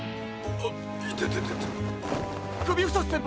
あっ！